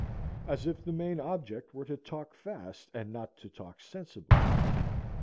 As if the main object were to talk fast and not to talk sensibly.